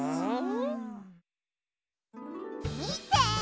みて！